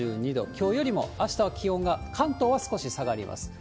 きょうよりもあしたは気温が、関東は少し下がります。